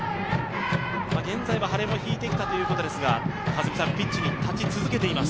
現在は腫れも引いてきたということですがピッチに立ち続けています。